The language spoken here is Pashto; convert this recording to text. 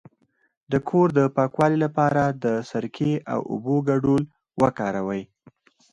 د کور د پاکوالي لپاره د سرکې او اوبو ګډول وکاروئ